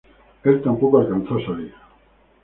Él tampoco alcanzó a salir.